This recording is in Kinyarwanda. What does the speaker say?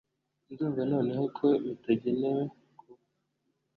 ndumva noneho ko bitagenewe kuba